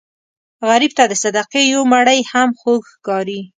غریب ته د صدقې یو مړۍ هم خوږ ښکاري